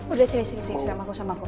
udah sini sama aku sama aku